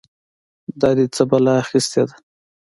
دا دې څه بلا اخيستې ده؟!